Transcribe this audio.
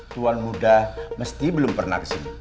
tuan muda mesti belum pernah kesini